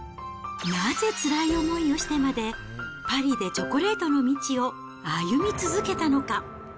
なぜつらい思いをしてまで、パリでチョコレートの道を歩み続けたのか。